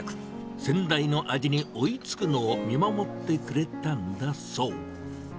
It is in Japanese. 先代の味に追いつくのを見守ってくれたんだそう。